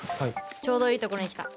ちょうどいいところに来た。